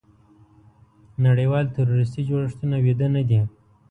نړیوال تروریستي جوړښتونه ویده نه دي.